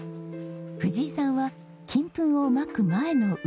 藤井さんは金粉を蒔く前の漆塗り。